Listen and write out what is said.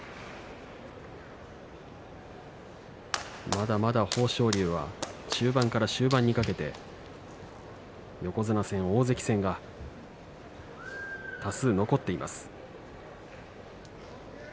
まだまだ豊昇龍は中盤から終盤にかけて横綱戦、大関戦が多数残っています。